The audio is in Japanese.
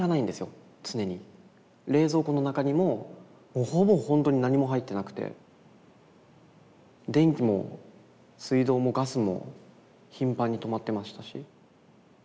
冷蔵庫の中にももうほぼほんとに何も入ってなくて電気も水道もガスも頻繁に止まってましたし。